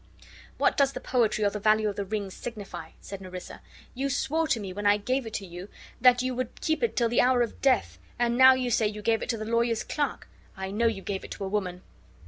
'" "What does the poetry or the value of the ring signify?" said Nerissa. "You swore to me, when I gave it to you, that you would keep it till the hour of death; and now you say you gave it to the lawyer's clerk. I know you gave it to a woman."